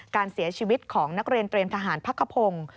การเสียชีวิตของนักเรียนเตรียมทหารพักขพงศ์